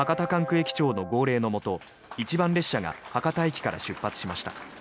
駅長の号令のもと一番列車が博多駅から出発しました。